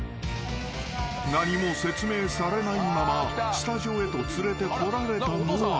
［何も説明されないままスタジオへと連れてこられたのは］